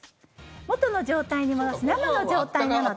元の状態に戻す生の状態なので。